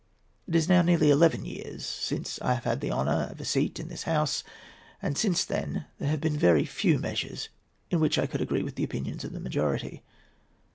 It is now nearly eleven years since I have had the honour of a seat in this House, and since then there have been very few measures in which I could agree with the opinions of the majority.